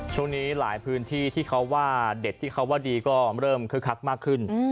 ช่วงนี้หลายพื้นที่ที่เขาว่าเด็ดที่เขาว่าดีก็เริ่มคึกคักมากขึ้น